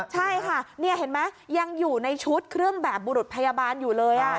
ใช่ค่ะนี่เห็นไหมยังอยู่ในชุดเครื่องแบบบุรุษพยาบาลอยู่เลย